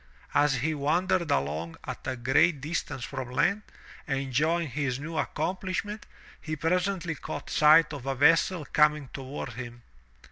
As he wandered along at a great distance from land, enjoying his new accomplishment, he presently caught sight of a vessel coming toward him.